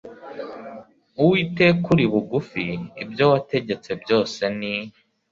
Uwiteka uri bugufi Ibyo wategetse byose ni